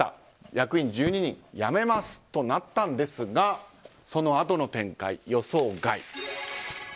役員１２人が辞めますとなったんですがそのあとの展開が予想外。